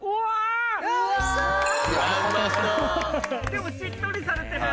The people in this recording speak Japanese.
でもしっとりされてる。